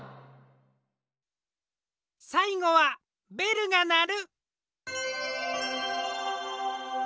さいごは「べるがなる」。